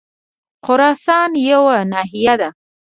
خراسان یوه ناحیه ده.